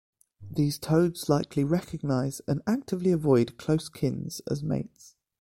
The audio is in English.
These toads likely recognize and actively avoid close kins as mates.